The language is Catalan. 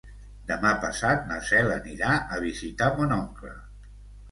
Demà passat na Cel anirà a visitar mon oncle.